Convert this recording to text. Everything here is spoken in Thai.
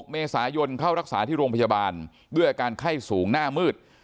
๖เมษายนเข้ารักษาที่โรงพยาบาลด้วยอาการไข้สูงหน้ามืด